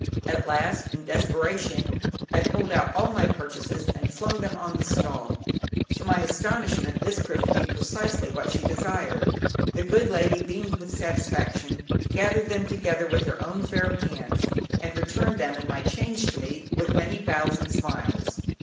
At last, in desperation, I pulled out all my purchases and flung them on the stall. To my astonishment this proved to be precisely what she desired; the good lady beamed with satisfaction, gathered them together with her own fair hands, and returned them, and my change, to me with many bows and smiles.